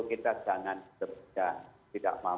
inilah perlu ada pendidikan